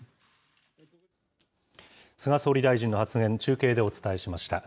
菅総理大臣の発言、中継でお伝えしました。